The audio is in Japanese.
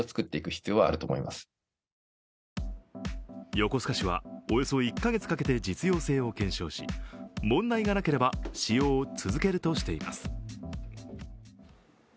横須賀市は、およそ１か月かけて実用性を検討し問題がなければ使用を続けるとしています。